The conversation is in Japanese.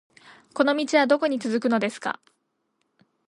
この道はどこに続くのですか